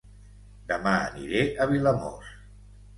Dema aniré a Vilamòs